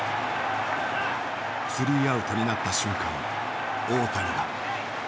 スリーアウトになった瞬間大谷が。